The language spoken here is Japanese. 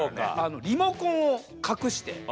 リモコンを隠して。